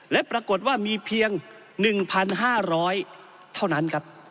และปรากฏว่ามีเพียง๑๕๐๐เท่านั้นครับ